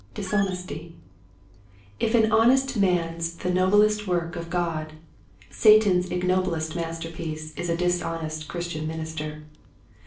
Dishonesty, If an honest man's the noblest work of God, Satan's ignoblest masterpiece is a dishonest Christian minister.